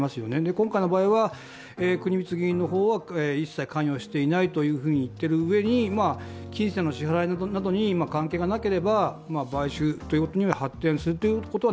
今回の場合は、国光議員の方は一切関与していないと言っているうえに金銭の支払いなどに関係がなければ買収に発展することは